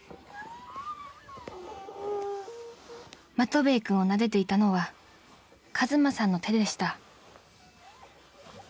［マトヴェイ君をなでていたのは和真さんの手でした］